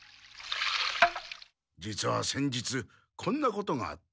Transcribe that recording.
実は先日こんなことがあった。